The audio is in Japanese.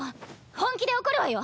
本気で怒るわよ！